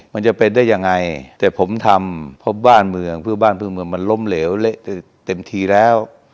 มันจะเป็นได้ยังไงแต่ผมทำเพราะบ้านเมืองมันล้มเหลวเต็มทีแล้ว